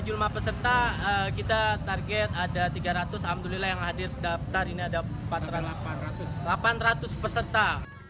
jumlah peserta kita target ada tiga ratus alhamdulillah yang hadir daftar ini ada delapan ratus peserta